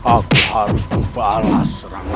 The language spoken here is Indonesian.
aku harus membalas seranganmu